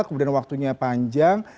kemudian waktunya panjang